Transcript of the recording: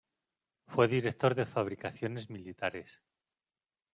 Fue director de Fabricaciones Militares.